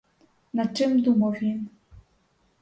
Над чим думав він?